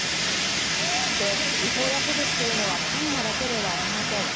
そして、違法薬物というのは大麻だけではありません。